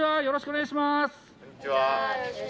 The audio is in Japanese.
よろしくお願いします。